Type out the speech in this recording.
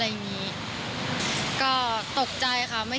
ใครรู้ก็ตกใจ